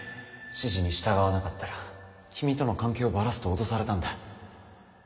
指示に従わなかったら君との関係をバラすと脅されたんだ。